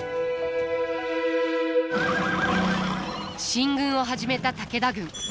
進軍を始めた武田軍。